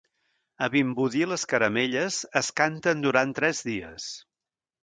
A Vimbodí les caramelles es canten durant tres dies.